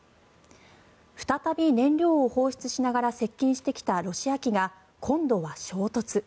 再び燃料を放出しながら接近してきたロシア機が今度は衝突。